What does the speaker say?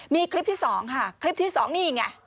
มีคลิปที่๒ค่ะคลิปที่๒นี่ไง